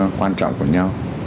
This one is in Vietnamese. và đối tác quan trọng của nhau